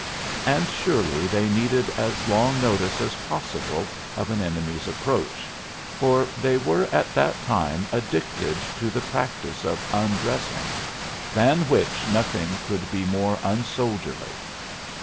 And surely they needed as long notice as possible of an enemy's approach, for they were at that time addicted to the practice of undressing than which nothing could be more unsoldierly.